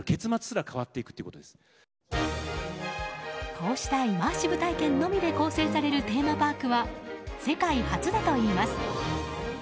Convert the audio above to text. こうしたイマーシブ体験のみで構成されるテーマパークは世界初だといいます。